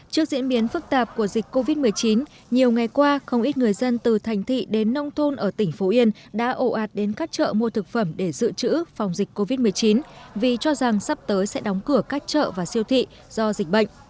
trước diễn biến phức tạp của dịch covid một mươi chín nhiều ngày qua không ít người dân từ thành thị đến nông thôn ở tỉnh phú yên đã ổ ạt đến các chợ mua thực phẩm để dự trữ phòng dịch covid một mươi chín vì cho rằng sắp tới sẽ đóng cửa các chợ và siêu thị do dịch bệnh